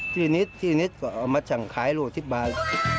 ทีนิดก็เอามาจังขายโลกสิบบาท